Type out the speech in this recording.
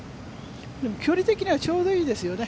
距離的にはちょうどいいですよね。